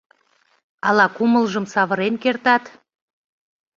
Ала кумылжым савырен кертат.